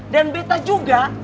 dan betamu juga